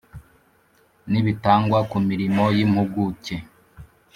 n ibitangwa ku mirimo y impuguke